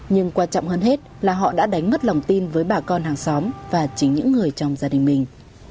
nhưng quan trọng hơn hết là họ đã đánh mất lòng tin với bà con hàng xóm và chính những người trong gia đình mình